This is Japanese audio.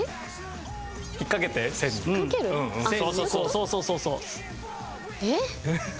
そうそうそうそう。